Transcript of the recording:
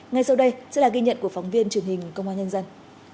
ngay sau đây sẽ là ghi nhận của phóng viên truyền hình công an nhân dân